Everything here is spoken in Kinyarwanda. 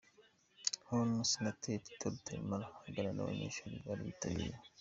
Hon Senateri Tito Rutaremara aganira n'abanyeshuri bari bitabiriye.